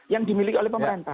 yang dimiliki oleh pemerintah